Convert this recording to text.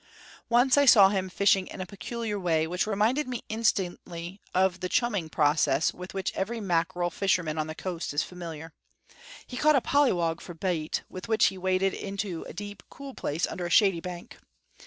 Once I saw him fishing in a peculiar way, which reminded me instantly of the chumming process with which every mackerel fisherman on the coast is familiar. He caught a pollywog for bait, with which he waded to a deep, cool place under a shady bank.